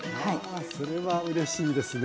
それはうれしいですね。